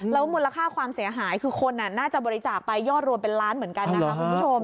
แล้วมูลค่าความเสียหายคือคนน่าจะบริจาคไปยอดรวมเป็นล้านเหมือนกันนะคะคุณผู้ชม